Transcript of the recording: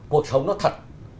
cuộc sống nó thật